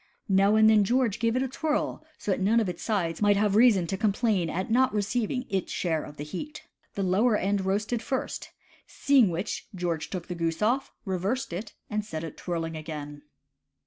Now and then George gave it a twirl so that none of its sides might have reason to com plain at not receiving its share of the heat. The lower end roasted first; seeing which, George took the goose off, reversed it, and set it twirling again.